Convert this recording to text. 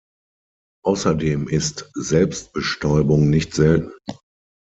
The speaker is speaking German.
Außerdem ist Selbstbestäubung nicht selten.